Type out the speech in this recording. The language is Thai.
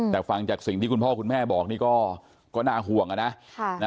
แต่ฟังจากสิ่งที่คุณพ่อคุณแม่บอกนี่ก็น่าห่วงนะ